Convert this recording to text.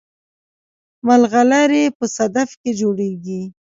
ملغلرې په صدف کې جوړیږي